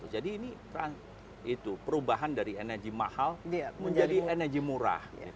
jadi ini perubahan dari energi mahal menjadi energi murah